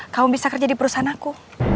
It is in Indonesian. kamu bisa kerja di perusahaan aku